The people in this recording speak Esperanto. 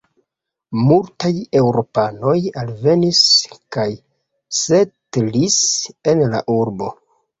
Multaj eŭropanoj alvenis kaj setlis en la urbo.